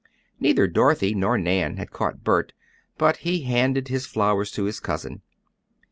Neither Dorothy nor Nan had caught Bert, but he handed his flowers to his cousin.